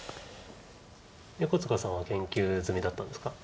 横塚さんは研究済みだったんですか？